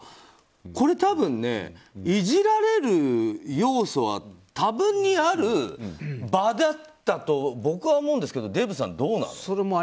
多分、いじられる要素は多分にある場だったと僕は思うんですけどデーブさん、どうなの？